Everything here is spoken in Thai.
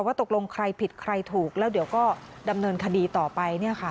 ตกลงใครผิดใครถูกแล้วเดี๋ยวก็ดำเนินคดีต่อไป